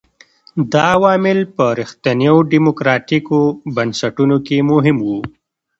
دا عوامل په رښتینو ډیموکراټیکو بنسټونو کې مهم وو.